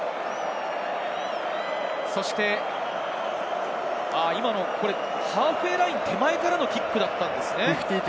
そしてハーフウェイライン手前からのキックだったんですね。